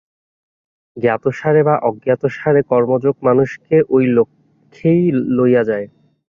জ্ঞাতসারে বা অজ্ঞাতসারে কর্মযোগ মানুষকে ঐ লক্ষ্যেই লইয়া যায়।